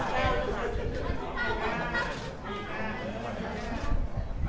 สวัสดีค่ะ